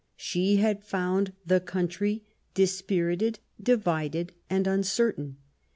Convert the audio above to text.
She had found the country dispirited, divided and uncertain.